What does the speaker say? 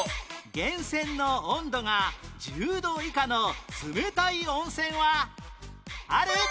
源泉が１０度以下の冷たい温泉はある？